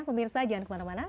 pemirsa jangan kemana mana